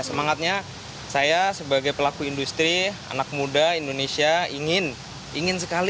semangatnya saya sebagai pelaku industri anak muda indonesia ingin ingin sekali